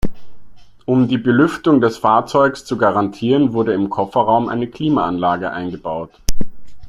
Um die Belüftung des Fahrzeugs zu garantieren wurde im Kofferraum eine Klimaanlage eingebaut.